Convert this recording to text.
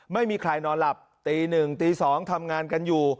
ไม่มีใครนอนหลับตี๑ตี๒ทำงานกันอยู่